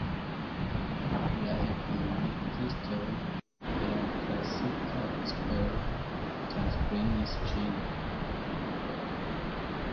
La ekonomikistoj de la klasika skolo transprenis ĝin.